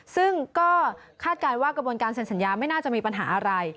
ซึ่งก็คาดการณ์ว่ากระบวนการเซ็นสัญญาไม่น่าจะมีปัญหาอะไร